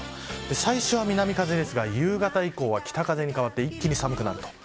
最初は南風ですが、夕方以降は北風に変わって一気に寒くなります。